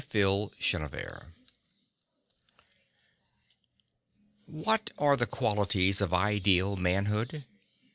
FOUR THINGS What are the qualities of ideal manhood?